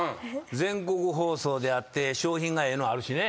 全国放送であって賞品がええのあるしね。